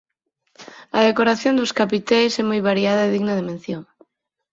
A decoración dos capiteis é moi variada e digna de mención.